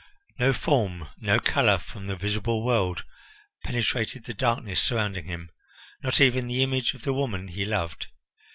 No form, no colour from the visible world, penetrated the darkness surrounding him, not even the image of the woman he loved.